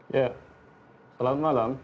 iya selamat malam